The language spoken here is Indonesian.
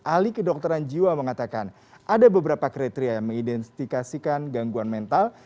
ahli kedokteran jiwa mengatakan ada beberapa kriteria yang mengidentifikasikan gangguan mental